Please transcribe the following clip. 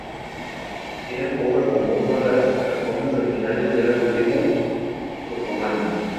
Tienen poco en común con las alfombras originales de la tribu turcomana.